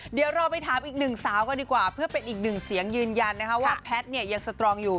เดี๋ยวเราไปถามอีก๑สาวกันดีกว่าเพื่อเป็นอีก๑เสียงยืนยันว่าแพทย์ยังสตรองอยู่